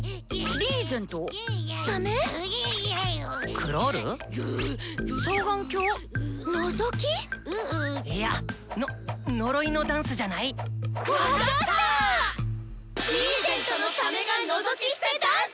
リーゼントのサメがのぞきしてダンス！